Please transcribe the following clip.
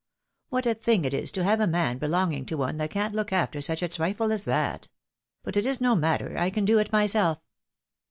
What a thing it is to have a man belonging to one that can't look after such a trifle as that ! But it is no matter. I can do it myself!